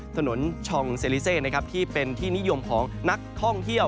ถนนชองเซลิเซที่เป็นที่นิยมของนักท่องเที่ยว